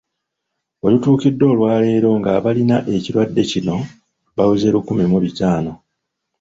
We butuukidde olwaleero ng'abalina ekirwadde kino baweze lukumi mu bitaano.